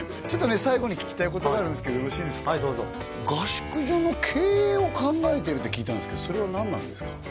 ちょっとね最後に聞きたいことがあるんですけどよろしいですかはいどうぞ合宿所の経営を考えてるって聞いたんですけどそれは何なんですか？